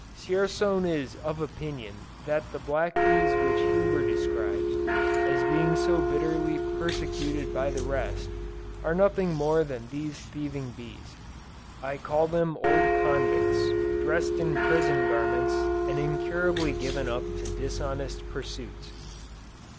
Dzierzon is of opinion that the black bees which Huber describes, as being so bitterly persecuted by the rest, are nothing more than these thieving bees. I call them old convicts, dressed in prison garments, and incurably given up to dishonest pursuits.